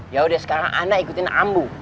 ya udah sekarang anda ikutin ambo